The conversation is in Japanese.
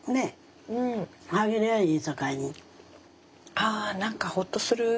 あ何かほっとする。